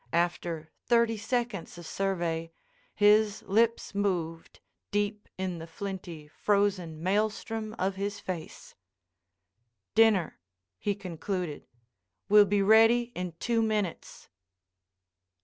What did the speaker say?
After thirty seconds of survey, his lips moved, deep in the flinty, frozen maelstrom of his face: "Dinner," he concluded, "will be ready in two minutes."